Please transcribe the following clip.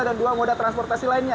dan dua moda transportasi lainnya